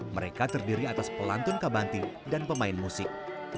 mereka terdiri atas pelantun kabanti dan pemain musik